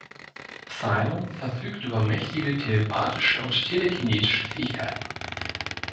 Psimon verfügt über mächtige telepathische und telekinetische Fähigkeiten.